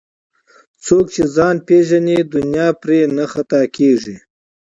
څوک چې ځان پیژني دنیا پرې نه خطا کېږي